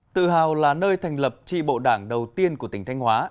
tự hào là nơi thành lập tri bộ đảng đầu tiên của tỉnh thanh hóa